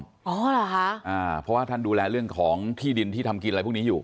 เพราะว่าท่านดูแลเรื่องของที่ดินที่ทำกินอะไรพวกนี้อยู่